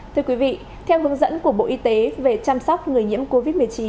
thưa quý vị theo hướng dẫn của bộ y tế về chăm sóc người nhiễm covid một mươi chín